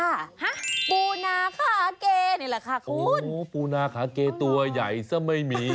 ฮะปูนาขาเกนี่แหละค่ะคุณโอ้ปูนาขาเกตัวใหญ่ซะไม่มี